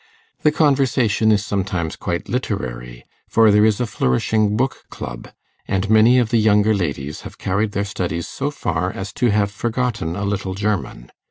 The conversation is sometimes quite literary, for there is a flourishing book club, and many of the younger ladies have carried their studies so far as to have forgotten a little German.